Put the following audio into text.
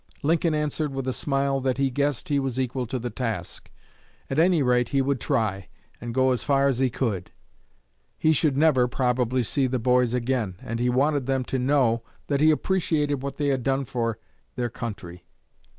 Lincoln answered, with a smile, that he guessed he was equal to the task; at any rate he would try, and go as far as he could; he should never, probably, see the boys again, and he wanted them to know that he appreciated what they had done for their country.